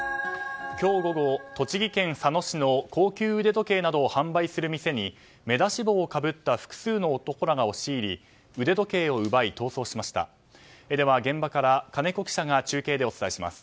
今日午後、栃木県佐野市の高級腕時計などを販売する店に目出し帽をかぶった複数の男らが押し入り腕時計を奪い逃走しました。